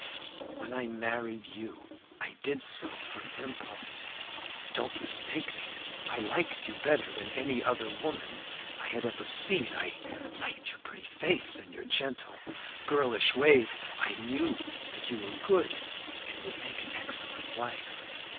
When I married you I did so from impulse. Don't mistake me. I liked you better than any other woman I had ever seen. I liked your pretty face, and your gentle, girlish ways. I knew that you were good, and would make an excellent wife.